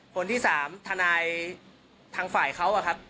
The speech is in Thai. คนที่๓ทนายทางฝ่ายเขาอะครับ